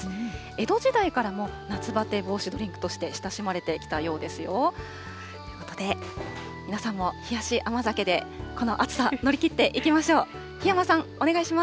江戸時代からも夏バテ防止ドリンクとして親しまれてきたようですよ。ということで皆さんも冷やし甘酒で、この暑さ、乗り切っていきましょう。